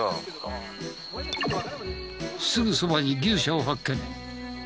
すぐそばに牛舎を発見。